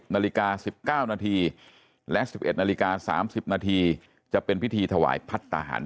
นาฬิกา๑๙นาทีและ๑๑นาฬิกา๓๐นาทีจะเป็นพิธีถวายพัฒนาหาร